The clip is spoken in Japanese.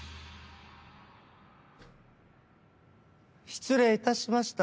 失礼致しました。